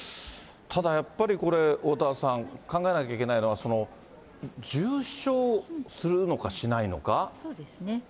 ただやっぱり、これ、おおたわさん、考えなきゃいけないのは、そうですね。